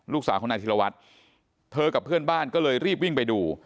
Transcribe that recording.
ลูกสาวของนายธิรวัตรเธอกับเพื่อนบ้านก็เลยรีบวิ่งไปดู